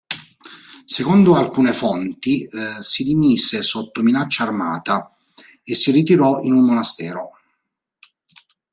Secondo alcune fonti, si dimise sotto minaccia armata, e si ritirò in un monastero..